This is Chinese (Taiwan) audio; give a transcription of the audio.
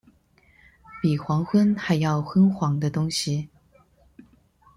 比黃昏還要昏黃的東西